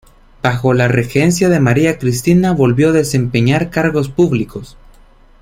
Bajo la regencia de María Cristina volvió desempeñar cargos públicos.